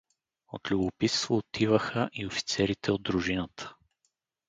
От любопитство отиваха и офицерите от дружината.